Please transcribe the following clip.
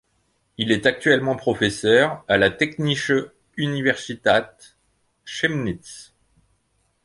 Il est actuellement professeur à la Technische Universität Chemnitz.